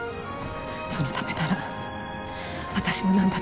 そのためなら私も何だってする。